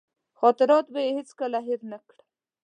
خاطرات به یې هېڅکله هېر نه کړم.